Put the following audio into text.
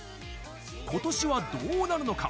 ことしは、どうなるのか？